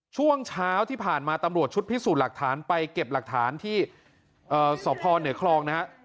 ช่วงเช้าที่ผ่านมาตำรวจชุดพิสูจน์หลักฐานไปเก็บหลักฐานที่สพเหนือคลองนะฮะ